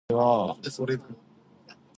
特约评论员文章